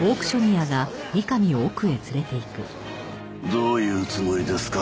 どういうつもりですか？